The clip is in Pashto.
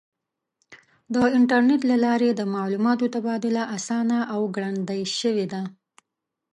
د انټرنیټ له لارې د معلوماتو تبادله آسانه او ګړندۍ شوې ده.